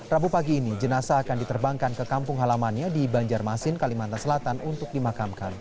rabu pagi ini jenasa akan diterbangkan ke kampung halamannya di banjarmasin kalimantan selatan untuk dimakamkan